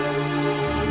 aku mau ke sana